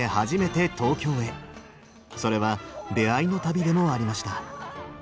それは出会いの旅でもありました。